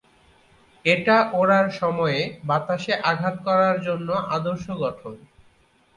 এটা ওড়ার সময়ে বাতাসে আঘাত করার জন্য আদর্শ গঠন।